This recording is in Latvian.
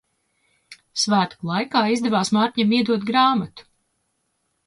Svētku laikā izdevās Mārtiņam iedot grāmatu.